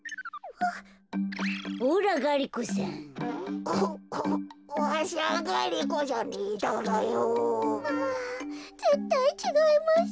はぁぜったいちがいます。